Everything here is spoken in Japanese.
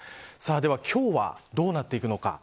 では今日はどうなっていくのか。